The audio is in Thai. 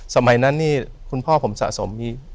สมัยนั้นนี่คุณพ่อผมสะสมมี